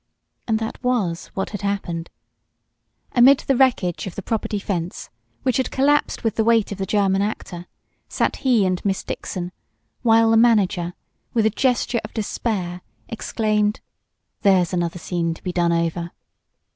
And that was what had happened. Amid the wreckage of the property fence, which had collapsed with the weight of the German actor, sat he and Miss Dixon, while the manager, with a gesture of despair exclaimed: "That's another scene to be done over."